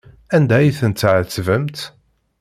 Anda ay ten-tɛettbemt?